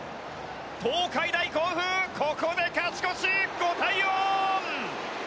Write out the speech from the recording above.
東海大甲府、ここで勝ち越し、５対４！